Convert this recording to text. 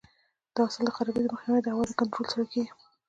د حاصل د خرابېدو مخنیوی د هوا د کنټرول سره کیږي.